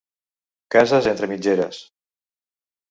Cases entre mitgeres.